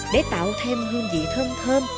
để tạo thêm hương vị thơm thơm